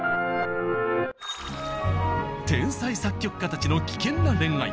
天才作曲家たちの危険な恋愛。